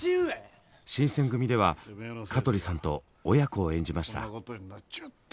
「新選組！」では香取さんと親子を演じました。